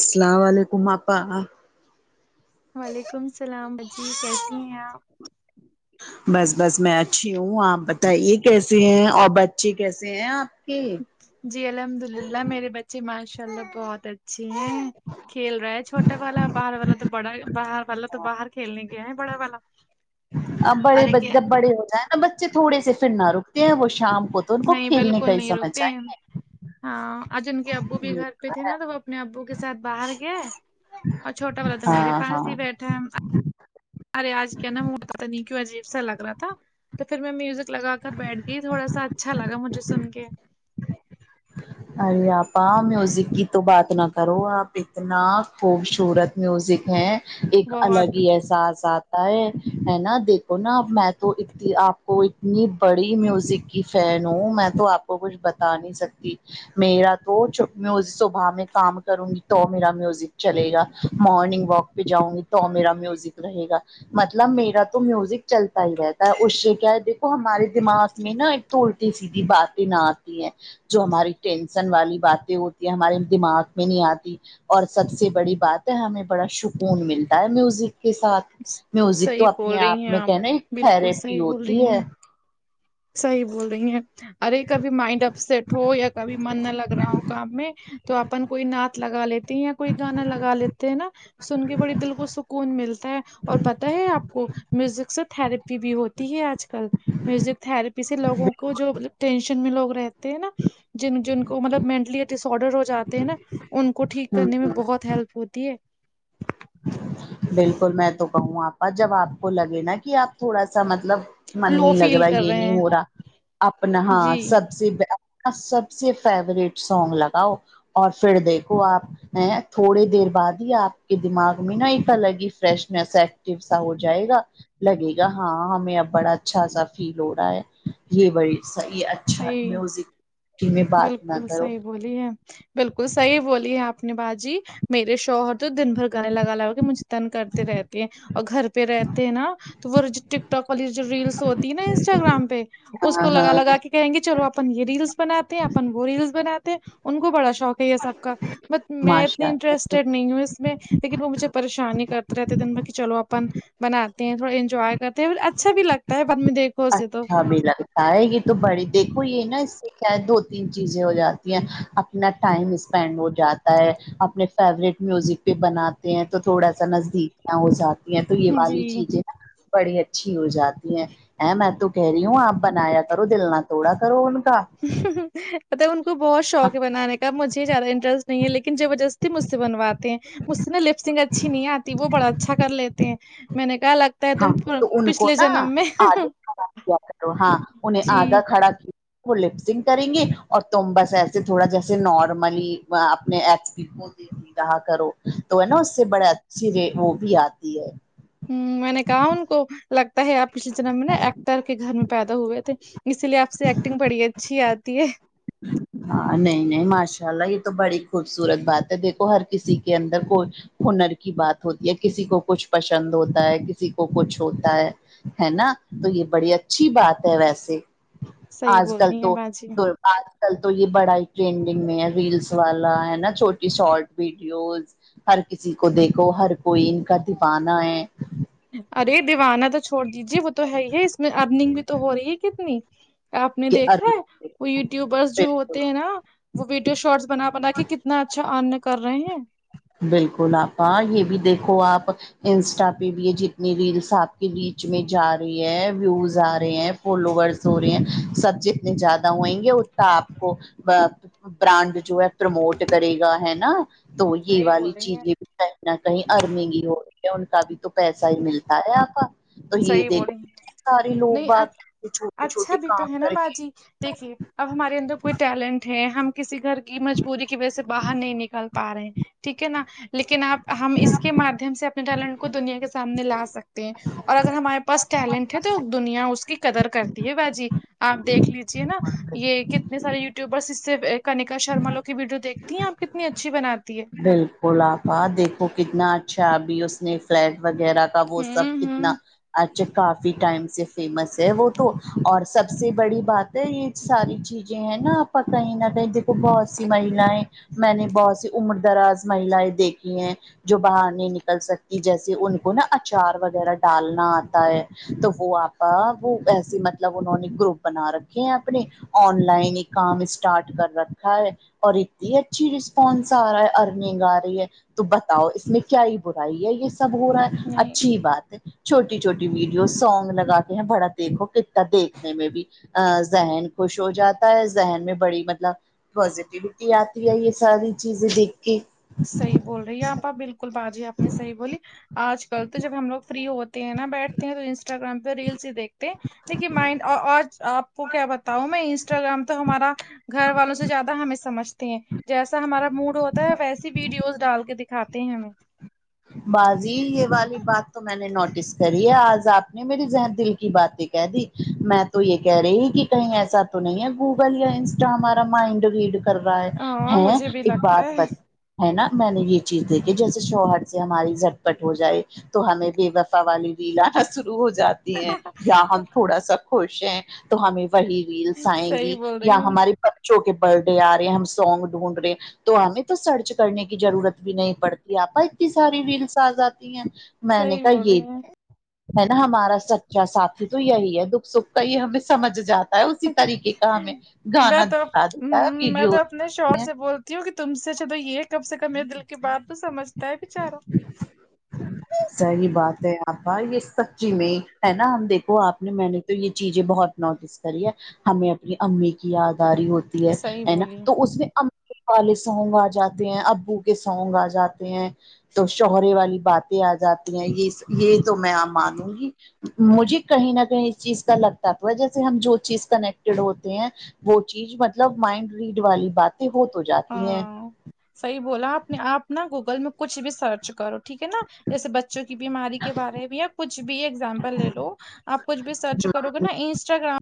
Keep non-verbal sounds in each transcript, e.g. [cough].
السلام علیکم آپا وعلیکم السلام باجی کیسی ہیں آپ بس بس میں اچھی ہوں آپ بتائیے کیسے ہیں اور بچے کیسے ہیں آپ کے جی الحمد اللہ میرے بچے ماشاء اللہ بہت اچ چھے ہے کھیل رہا ہے چھوٹا والا باہر والا تو بڑا باہر والا تو باہر کھیلنے گیا ہے بڑا والا اب بڑے ارے کیا جب بڑے ہو جاے نا بچے تھوڑے سے پھرنا رکتے ہیں وہ شام کو تو ان کو نہیں کھیلنے بالکل کا ہی نہیں سمے رکتے ہیں چاہئے ہاں اور جن کے ابو بھی گھر پہ تھے نا تو وہ اپنے ابو کے ساتھ باہر گیا ہے اور چھوٹا والا تو میرے ہاں ہاں پاس ہی بیٹھا ہے ارے آج کیا نا موڈ پتا نئی کیوں عجیب سا لگ رہا تھا تو پھر میں میوزک لگا کر بیٹھ گئی تھوڑا سا اچھا لگا مجھے سن کے ارے آپا میوزک کی تو بات نہ کرو آپ اتنا خوبشورت میوزک ہیں ایک الگ بہت ہی احساس ساتھ ہے نہ دیکھو نا اب میں تو اتی آپ کو اتنی بڑی میوزک کی فین ہوں میں تو آپ کو کچھ بتا نہیں سکتی میرا تو صبح میں کام کروں گی تو میرا میوزک چلے گا مارننگ واک پہ جاؤں گی تو میرا میوزک رہے گا مطلب میرا تو میوزک چلتا ہی رہتا ہے اس سے کیا ہے دیکھو ہمارے دماغ میں نا تو اولٹی سیدھی باتین نہ آتی ہیں جو ہماری ٹینسن والی باتیں ہوتی ہیں ہمارے دماغ میں نہیں آتی اور سب سے بڑی بات ہے ہمیں بڑا شکون ملتا ہے میوزک کے ساتھ میوزک تو صحیح بول اپنے رہی آپ ہیں میں کیا ہے نہ ایک بالکل تھراپی صحیح بول رہی ہوتی ہے ہیں صحیح بول رہی ہیں ارے کبھی مائنڈ اپ سٹ ہو یا کبھی من نہ لگ رہا ہو کام میں تو اپن کوئی نعت لگا لے یا کوئی گانا لگا لیتے ہے نا سن کے بڑی دل کو سکون ملتا ہے اور پتہ ہے آپ کو میوزک سے تھرپ ی بھی ہوتی ہے آج کل میوزک تھراپی سے لوگوں کو جو مطلب ٹینشن میں لوگ رہ تے ہے نا جن جن کو مطلب مینٹلی ڈس آڈر ہو جاتے ہیں نا ان کو ٹھیک کرنے میں بہت ہیلپ ہوتی ہے بالکل میں تو کہوں آپا جب آپ کو لگے نا کہ آپ تھوڑا سا مطلب من لو نہیں لگ فیل رہا کر یہ رہے نہیں ہیں ہو رہا اپنا ہاں جی سب سے ب س سب سے فیوریٹ ساونگ لگاؤ اور پھر دیکھو آپ یں تھوڑی دیر بعد ہی آپ کہ دماغ میں نا ایک الگ ہی فریشنیس آکٹیو سا ہو جائے گا لگے گا ہاں ہمیں اب بڑا اچھا سا فیل ہو رہا ہے یہ بڑی صحیح ہے اچھا صحیح میوزک کی میں بات نہ کرو ٹی ہے بالکل صحیح بولی ہے آپ نے باجی میرے شوہر تو دن بھر گانے لگا لگا کے مجھ تنگ کرتے رہتے ہیں اور گھر پہ رہتے ہیں نا تو وہ جو ٹک ٹاک والی جو ریلس ہوتی ہے نا انسٹاگرام پہ اس ہاں کو لگا ہاں لگا کہ کہیں گے چلو اپن یہ ریلس بناتے ہیں اپن وہ ریلس بناتے ہیں ان کو بڑا شوق ہے یہ سب کا بٹ میں ماشاء اتنی اللہ انٹرسٹ نہیں ہوں اس میں لیکن وہ مجھے پریشانی کرتے رہتے دن میں کہ چلو اپن بناتے ہیں تھوڑا انجوائے کرتے ہیں اچھا بھی لگتا ہے بعد میں دیکھ اچھا بھی لگتا ہے یہ تو بڑے دیکھو یہ نا اس سے کیا ہے دو تین چیزیں ہو جاتی ہیں اپنا ٹائم اسپینڈ ہو جاتا ہے اپنے فیورٹ میوزک پہ بناتے ہیں تو تھوڑا سا نزدیکیاں ہو جا تی ہیں تو یہ والی جی چیزیں بڑی اچھی ہو جاتی ہیں اے میں تو کہہ رہی ہوں آپ بنایا کرو دل نہ توڑا کرو ان کا مطلب ان کو بہت شوق ہے بنانے کب مجھے زیادہ انٹرسٹ نہیں ہے لیکن جبردستی مجھ سے بنواتے ہیں مجھ سے نا لپسنگ اچھی نہیں آتی وہ بڑا اچھا کر لیتے ہیں میں نے کہا لگ ہاں تو ان کو نا آگے کھڑا کیا کرو ہاں انہیں جی آگا کھڑا ک وہ لپسنگ کریں گے اور تم بس ایسے تھوڑا جیسے نارملی اپنے ایچ کو رہا کرو تو ہے نا اس سے بڑے اچھی وے وہ بھی آتی ہے ہوں میں نے کہا ان کو لگتا ہے آپ پچھلے جنم میں نہ ایکٹر کے گھر میں پیدا ہوئے تھے اسی لیے آپ سے ایکٹنگ بڑی اچھی آتی ہے [inaudible] ہاں نہیں نہیں ماشاء اللہ یہ تو بڑی خوبصورت بات ہے دیکھو ہر کسی کے اندر کوئی ہنر کی بات ہوتی ہے کسی کو کچھ پسند ہوتا ہے کسی کو کچھ ہوتا ہے ہے نا تو یہ بڑی اچھی بات ہے ویسے صحیح آج بول کل رہی ہیں تو باجی آج کل تو یہ بڑا ہی ٹرینڈنگ میں ہے ریلس والا ہے نا چھوٹی شارٹ ویڈیوز ہر کسی کو دیکھو ہر کوئی ان کا دیوانہ ہے ارے دیوانہ تو چھوڑ دیجے وہ تو ہے ہی ہے اس میں ارننگ بھی تو ہو رہی ہے کتنی آپ نے کہ دیکھا ہے وہ یوٹیوبرس جو بالکل ہوتے ہیں نا وہ ویڈیو شارٹس بنا بنا کے کتنا اچھا ارن کر رہے ہیں بالکل آپا یہ بھی دیکھو آپ انسٹا پہ بھی ہے جتنی ریلس آپ کے ریچ میں جا رہی ہے ویوز آ رہے ہیں فالوورس ہو رہے ہیں سبچ زیادہ ہوئیں گے اتنا آپ کو ب برانڈ جو ہے پرموٹ کرے گا ہے نا تو یہ صحیح بول والی رہی ہیں چیزیں کہیں نہ کہیں ارنگ ہی ہو رہی ہے ان کا بھی تو پیسہ ہی ملتا ہے آپا تو یہ صحیح بولی دیکھو سارے لوگ نہیں باگ چھوٹے اچھا چھوٹے بھی تو کام ہے نا کر کے باجی دیکھیے اب ہمارے اندر کوئی ٹیلنٹ ہے ہم کسی گھر کی مجبوری کی وجہ سے باہر نہیں نکل پا رہے ہیں ٹھیک ہے نا لیکن آپ ہم اس کے مادھیم سے اپنے ٹیلنٹ کو دنیا کے سامنے لا سکتے ہیں اور اگر ہمارے پاس ٹیلنٹ ہے تو دنیا اس کی قدر کرتی ہے با جی آپ دیکھ لیجیے نا یہ کتنے سارے یوٹیوبرس اس سے کنیکا شرما لوگ کی ویڈیو دیکھتی ہیں آپ کتنی اچھی بناتی ہے بالکل آپا دیکھو کتنا اچھا ابھی اس نے فلیٹ وغیرہ کا وہ ہوں سب کتنا ہوں کافی ٹائم سے فیمس ہے وہ تو اور سب سے بڑی بات ہے یہ ساری چیزیں ہیں نا آپا کہیں نہ کہیں دیکھو بہت سی مہیلیں میں نے بہت سی عمر دراز مہیلائیں دیکھی ہیں جو باہر نہیں نکل سکتی جیسے ان کو نا اچار وغیرہ ڈالنا آتا ہے تو وہ آپا وہ ایسی مطلب انہوں نے گروپ بنا رکھے ہیں اپنے آن لائن کام اسٹارٹ کر رکھا ہے اور اتنی اچھی رسپانس سارا ارنیگ ارہی ہے تو بتاؤ اس میں کیا ہی برائی ہے یہ سب ہو رہا ہے نہیں اچھی بات ہے چھوٹی چھوٹی ویڈیوز سانگ لگا تے ہیں بڑا دیکھو کتا دیکھنے میں بھی ا ذہن خوش ہو جاتا ہے ذہن میں بڑی مطلب پزیٹیوٹی آتی ہے یہ ساری چیزیں دیکھ کے صحیح بول رہی آپ آپ بالکل باجی آپ نے صحیح بولی آج کل تو جب ہم لوگ فری ہو تے ہیں نا بیٹھتے ہیں تو انسٹاگرام پے ریلس ہی دیکھتے تے لیکن مائنڈ آج آپ کو کیا بتاؤ میں انسٹاگرام تو ہمارا گھر والوں سے زیادہ ہمیں سمجھتے ہیں جیسا ہمارا موڈ ہوتا ہے ویسی ویڈیوز ڈال کے دکھاتے ہیں ہمیں بازی یہ والی بات تو میں نے نوٹس کری ہے آج آپ نے میری ذہن دل کی باتیں کہہ دی میں تو یہ کہہ رہے ہی کہ کہیں ایسا تو نہیں ہے گوگل یا انسٹا ہمارا مائنڈ ریڈ کر رہا ہے ہاں ہے مجھے بھی ایک لگتا بات بت ہے ہے نا میں نے یہ چیز دیکھی جیسے شوہر سے ہماری جھٹ پٹ ہو جائے تو ہمیں بے وفا والی ریل آنا شروع ہو جات تی ہے یا ہم تھوڑا سا خوش ہیں تو ہمیں وہی ریلس آئیں گی صحیح بول یا رہی ہے ہماری بچوں کہ برت ڈے آ رہے ہیں ہم سونگ ڈھونڈ رہے ہیں تو ہمیں تو سرچ کرنے کی ضرورت بھی نہیں پڑتی آپا اتنی ساری ریلس آ جاتی ہیں میں نے صحیح کہا بول رہی یہ ہیں ہے نا ہمارا سچا ساتھی تو یہی ہے دکھ سکھ کا یہ ہمیں سمجھ جاتا ہے اسی طریقے کا ہمیں میں گانا تو دکھا دیتا ہے ہمم ویڈیو تو میں شوہر سے بولتی ہوں کہ تم سے اچھا تو یہ کم سے کم میرے دل کی بات تو سمجھتا ہے بیچارا صحیح بات ہے آپا یہ سب سچی میں ہے نا ہم دیکھو آپ نے میں نے تو یہ چیزیں بہت نوٹی سے کریے ہمیں اپنی امی کی یاد آری ہوتی ہے صحیح ہے نا بولی تو اس میں ام والے سونگ آ جاتے ہیں ابو کے سونگ آ جاتے ہیں تو شوہرے والی بات یہ آ جاتی ہیں یہ یہ تو میں آ مانوں گی مجھے کہیں نہ کہیں اس چیز کا لگتا تو ہے جیسے ہم جو چیز کنیکٹیڈ ہوتے ہیں وہ چیز مطلب مائنڈ ریڈ والی بات یہ ہو تو جات ہاں صحیح بولا آپ نے آپ نا گوگل میں کچھ بھی سرچ کرو ٹھیک ہے نا جیسے بچوں کی بیماری کے بارے میں یا کچھ بھی ایگزامپل لے لو آپ کچھ بھی سرچ کرو گے نا انسٹاگرام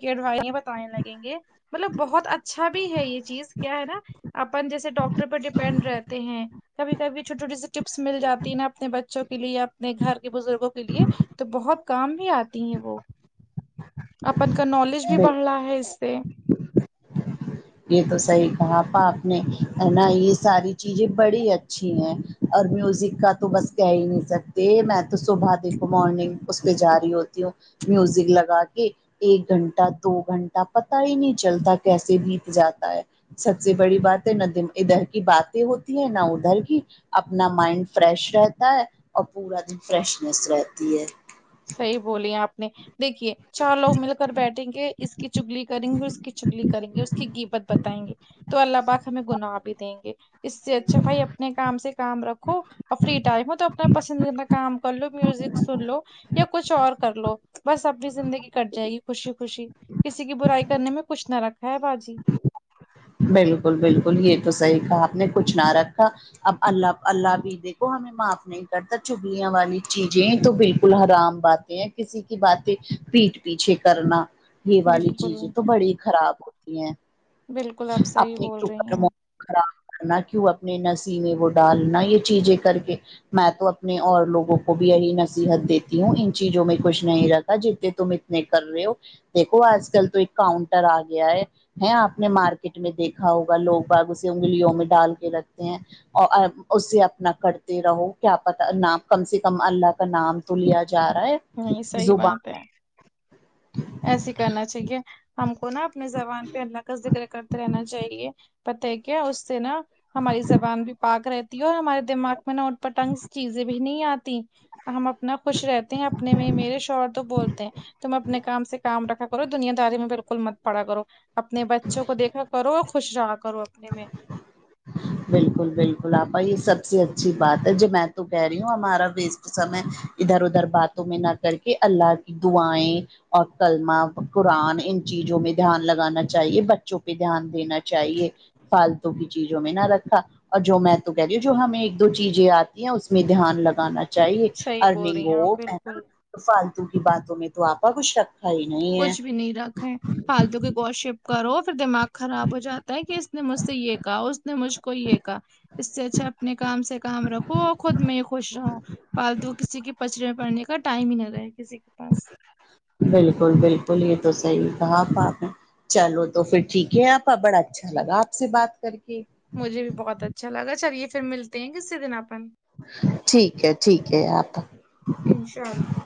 کہ بارے میں بتانے لگیں گے مطلب بہت اچھا بھی ہے یہ چیز کیا ہے نا اپن جیسے ڈاکٹر پر ڈیپینڈ رہتے ہیں کبھی کبھی چھوٹی چھوٹی سی ٹپس مل جاتی ہے نا اپنے بچوں کے لیےیا اپنے گھر کے بزرگوں کے لیے تو بہت کام بھی آتی ہیں وہ اپن کا نالج بھی ہیں بڑھ رہا ہے اس سے یہ تو صحیح کہا آپا آپ نے اور نہ یہ ساری چیزیں بڑی اچھی ہیں اور میوزک کا تو بس کہہ ہی نہیں سکتے میں تو صبح دیکھو مارننگ اس پہ جاری ہوتی ہوں میوزک لگا کے ایک گھنٹہ دو گھنٹہ پتہ ہی نہیں چلتا کیسے بھی جاتا ہے سب سے بڑی بات ہے نہ دن ادھر کی باتیں ہوتی ہے نہ ادھر کی اپنا مائنڈ فریش رہتا ہے اور پورا دن فریشنیس رہتی ہے صحیح بولی آپ نے دیکھیے چار لوگ مل کر بیٹھیں گے اس کی چگلی کریں گے اس کی چگلی کریں گے اس کی غیبت بتائیں گے تو اللہ پاک ہمیں گناہ بھی دیں گے اس سے اچھا بھائی اپنے کام سے کام رکھو اور فری ٹائم ہو تو اپنا پسندیدہ کام کر لو میوزک سن لو یا کچھ اور کر لو بس اپنی زندگی کٹ جائے گی خوشی خوشی کسی کی برائی کرنے میں کچھ نہ رکھا ہے باجی بالکل بالکل یہ تو صحیح کہا آپ نے کچھ نہ رکھا اب اللہ اللہ بھی دیکھو ہمیں معاف نہیں کرتا چغلیاں والی چیزیں تو بالکل حرام باتیں ہیں کسی کی باتیں پیٹ پیچھے کرنا یہ والی بالکل چیزیں تو بڑی خراب ہوتی ہیں بالکل آپ صحیح اپنے بول رہی اوپر ہیں خراب کرنا کیوں اپنے نصیب میں وہ ڈالنا یہ چیزیں کر کے میں تو اپنے اور لوگوں کو بھی یہی نصیحت دیتی ہوں ان چیزوں میں کچھ نہیں رکھا جتے تم ان میں کر رہے ہو دیکو آج کل تو ایک کاؤنٹر آ گیا ہے ہیں آپ آپ نے مارکیٹ میں دیکھا ہوگا لوگ باعض اسے انگلیوں میں ڈال کے رکھتے ہیں اور آ اسے اپنا کرتے رہو کیا پتہ نام کم سے کم اللہ کا نام تو لیا جا رہا ہے نہیں صحیح زبان بات ہے ایسے ہی کرنا چاہیے ہم کو نا اپنی زبان پہ اللہ کا ذکر کرتے رہنا چاہیے پتہ ہے کیا اس سے نا ہماری زبان بھی پاک رہتی اور ہمارے دماغ میں نا اٹپاٹانگ چیزیں بھی نہیں آتی ہم اپنا خوش رہتے ہیں اپنے میں میرے شوہر تو بولتے ہیں تم اپنے کام سے کام رکھا کرو دنیاداری میں بالکل مت پڑا کرو اپنے بچوں کو دیکھا کرو اور خوش رہا کرو اپنے میں بالکل بالکل آپا یہ سب سے اچھی بات ہے جی میں تو کہہ رہی ہوں ہمارا وسٹ سمے ادھر ادھر باتوں میں نہ کر کے اللہ کی دعائیں اور کلمہ قرآن ان چیزوں میں دھیان لگانا چاہیے بچوں پہ دھیان دینا چاہیے فالتو کی چیزوں میں نہ رکھ رکھا اور جو میں تو کہہ رہی ہوں جو ہمیں ایک دو چیزیں آتی ہیں اس میں دھیان لگانا چاہیے صحیح بول رہی ارننگ ہیں آپ ہو ہے بالکل نا فالتو کی باتوں میں تو آپا کچھ شک ہے نہیں ہے کچھ بھی نہیں رکھا ہے فالتو کی گوشپ کرو پھر دماغ خراب ہوجا تا کہ اس نے مجھ سے یہ کہا اس نے مجھ کو یہ کہا اس سے اچھا اپنے کام سے کام رکھو اور خود میں ہی خوش رہو فالتو کسی کے پچڑے میں پڑنے کا ٹائم ہی نہ رہے کسی کے پاس بالکل بالکل یہ تو صحیح کہا آپا آپ نے چلو تو پھر ٹھیک ہے آپا بڑا اچھا لگا آپ سے بات کر کے مجھے بھی بہت اچھا لگا چلیے پھر ملتے ہیں کسی دن اپن ٹھیک ہے ٹھیک ہے آپا انشاء اللہ